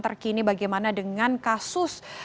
terkini bagaimana dengan kasus